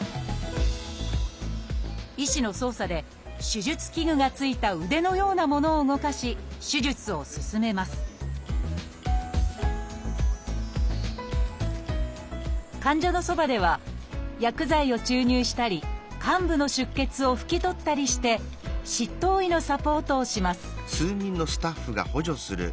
医師の操作で手術器具が付いた腕のようなものを動かし手術を進めます患者のそばでは薬剤を注入したり患部の出血を拭き取ったりして執刀医のサポートをします